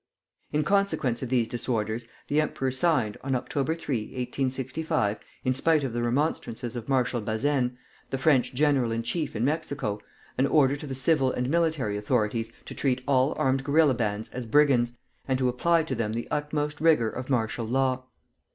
In consequence of these disorders the emperor signed, on Oct. 3, 1865, in spite of the remonstrances of Marshal Bazaine, the French general in chief in Mexico, an order to the civil and military authorities to treat all armed guerilla bands as brigands, and to apply to them the utmost rigor of martial law.